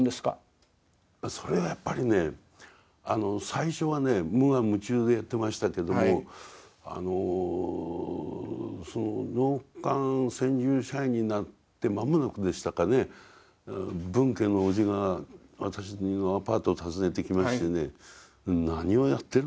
それはやっぱりね最初はね無我夢中でやってましたけどもその納棺専従社員になって間もなくでしたかね分家のおじが私のアパートを訪ねてきましてね何をやってるんだと。